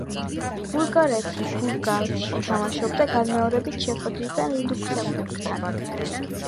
ბულგარეთი, ბურგასში თამაშობდა განმეორებით შეხვედრას ლუქსემბურგთან.